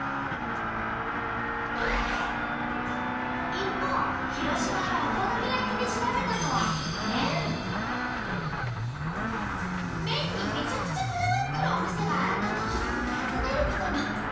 一方広島のお好み焼きで調べたのは麺にめちゃくちゃこだわってるお店があると聞き訪ねることに。